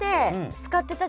使ってたね。